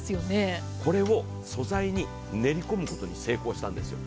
これを素材に練り込むことに成功したんですよ。